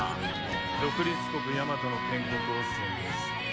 独立国やまとの建国を宣言する。